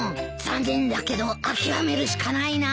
残念だけど諦めるしかないな。